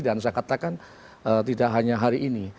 dan saya katakan tidak hanya hari ini